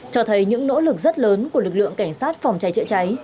cho thấy những nỗ lực rất lớn của lực lượng cảnh sát phòng cháy chữa cháy